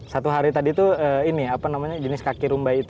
satu hari tadi itu jenis kaki rumbai itu